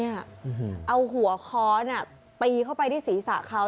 เนี่ยเอาหัวค้อนอ่ะปีเข้าไปที่ศีรษะเขา